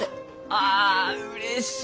あうれしい！